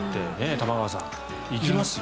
玉川さん、いけますよ